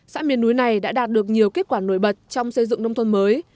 xã miền núi này đã đạt được nhiều kết quả nổi bật trong xây dựng nông thôn mới